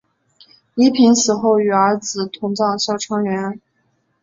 宜嫔死后与儿子同葬孝昌园。